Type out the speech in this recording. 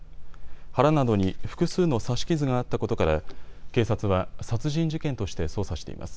腹などに複数の刺し傷があったことから警察は殺人事件として捜査しています。